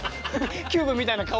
キューブみたいな顔。